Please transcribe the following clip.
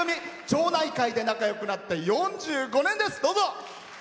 町内会で仲よくなって４５年です。